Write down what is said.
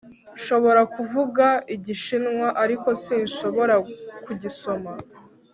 Nshobora kuvuga Igishinwa ariko sinshobora kugisoma